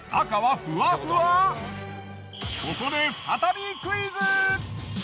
ここで再びクイズ！